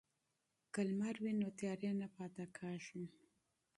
که لمر وي نو تیارې نه پاتیږي.